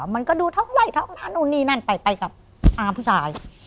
มันก็ดูเท่าไหร่เท่านู้นนี่นั่นไปไปกับอ้าวผู้สาย